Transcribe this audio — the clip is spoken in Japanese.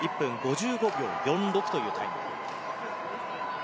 １分５５秒４６というタイム。